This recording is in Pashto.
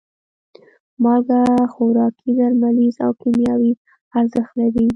مالګه خوراکي، درملیز او کیمیاوي ارزښت لري.